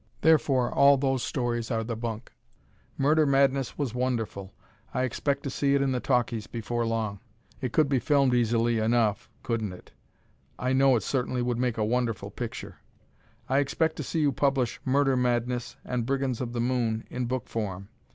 Therefore, all those stories are "the bunk." "Murder Madness" was wonderful. I expect to see it in the talkies before long. It could be filmed easily enough, couldn't it! I know it certainly would make a wonderful picture. I expect to see you publish "Murder Madness" and "Brigands of the Moon" in book form.